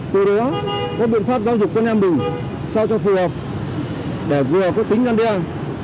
từ đó các biện pháp giáo dục của anh em mình sao cho phù hợp để vừa có tính năng đe vừa có tính giáo dục